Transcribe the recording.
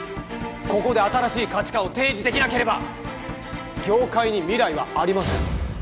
ここで新しい価値観を提示できなければ業界に未来はありません。